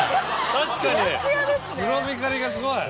確かに黒光りがすごい。